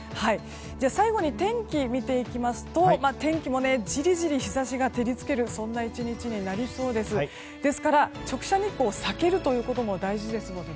最後に天気を見ていきますと天気もじりじり日差しが照り付けるそんな１日になりそうです。